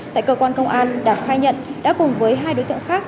tại cơ quan công an đạt khai nhận đã cùng với hai đối tượng khác